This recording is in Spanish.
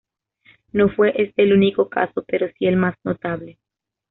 No fue este el único caso, pero sí el más notable.